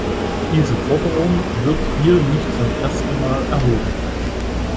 Diese Forderung wird hier nicht zum ersten Mal erhoben.